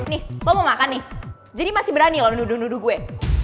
nih bapak mau makan nih jadi masih berani loh nuduh nuduh gue